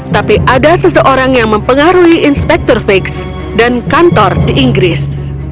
tapi ada seseorang yang mempengaruhi inspektur fix dan kantor di inggris